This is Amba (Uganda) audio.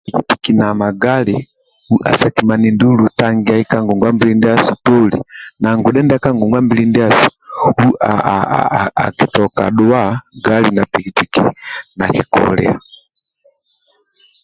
Piki piki na magali u asakimani ndulu tangia ka ngongwa mbili ndiasu toli na ngudhe ndia ka ngongwa mbili ndiasu akitoka aaa aaa aaa akitoka dhua gali na piki piki nakikolia